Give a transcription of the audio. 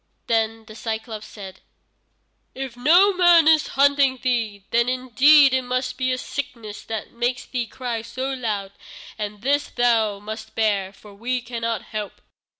Then the Cyclôpes said: "If no man is hurting thee, then indeed it must be a sickness that makes thee cry so loud, and this thou must bear, for we cannot help."